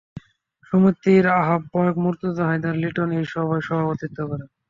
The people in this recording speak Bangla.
সমিতির আহ্বায়ক মর্তুজা হায়দার লিটন এই সভায় সভাপতিত্ব করেন।